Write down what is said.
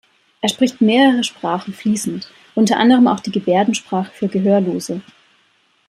Er spricht mehrere Sprachen fließend, unter anderem auch die Gebärdensprache für Gehörlose.